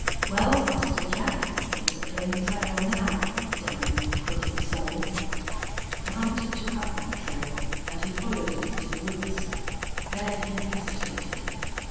"Well, Buster Jack, it's a plain trail now damn your crooked soul!" The hunter took up that trail, and he followed it into the woods. There he hesitated.